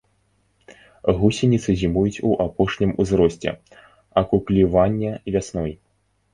Гусеніцы зімуюць у апошнім узросце, акукліванне вясной.